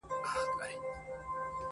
ورځ دي په اوښکو شپه دي ناښاده -